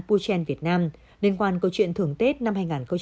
pouchen việt nam liên quan câu chuyện thưởng tết năm hai nghìn một mươi hai